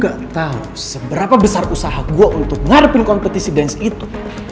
gak tahu seberapa besar usaha gue untuk menghadapi kompetisi dance itu